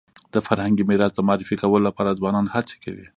د فرهنګي میراث د معرفي کولو لپاره ځوانان هڅي کوي.